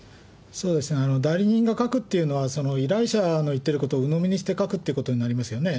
そうですね、代理人が書くっていうのは、依頼者の言っていることをうのみにして書くということになりますよね。